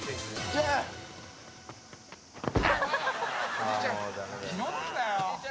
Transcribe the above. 「おじいちゃん」